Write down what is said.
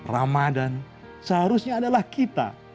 ramadhan seharusnya adalah kita